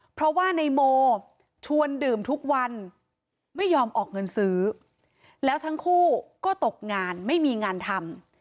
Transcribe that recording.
เพราะว่าในโมชวนดื่มทุกวันไม่ยอมออกเงินซื้อแล้วทั้งคู่ก็ตกงานไม่มีงานทำ